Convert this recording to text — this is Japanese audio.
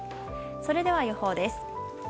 それでは、予報です。